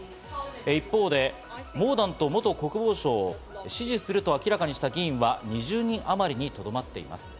一方でモーダント元国防相を支持すると明らかにした議員は２０人あまりにとどまっています。